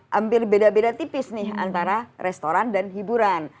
hampir beda beda tipis nih antara restoran dan hiburan